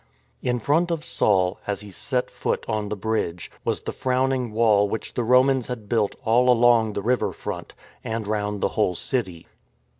In front of Saul, as he set foot on the bridge, was the frowning wall which the Romans had built all along the river front, and round the whole city.